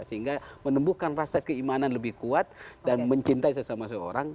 sehingga menumbuhkan rasa keimanan lebih kuat dan mencintai sesama seorang